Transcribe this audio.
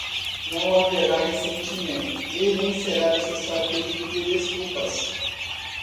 Não haverá ressentimento e nem será necessário pedido de desculpas